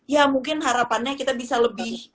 ya mungkin harapannya kita bisa lebih